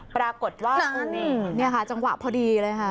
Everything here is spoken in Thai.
ปรากฏว่านี่ค่ะจังหวะพอดีเลยค่ะ